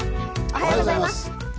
おはようございます。